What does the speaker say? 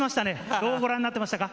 どうご覧になっていましたか？